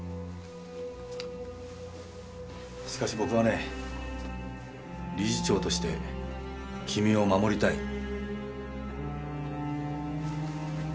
しかし僕はね理事長として君を守りたい。